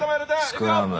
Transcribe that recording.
スクラム。